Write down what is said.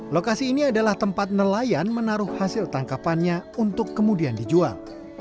lokasi ini adalah tempat nelayan menaruh hasil tangkapannya untuk kemudian dijual